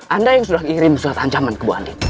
anda yang sudah kirim surat ancaman ke bu andi